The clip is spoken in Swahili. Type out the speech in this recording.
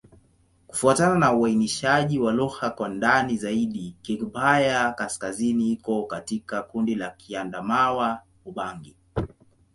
Kufuatana na uainishaji wa lugha kwa ndani zaidi, Kigbaya-Kaskazini iko katika kundi la Kiadamawa-Ubangi.